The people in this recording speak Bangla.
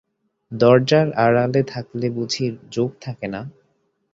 দরজার আড়ালে থাকলে বুঝি যোগ থাকে না?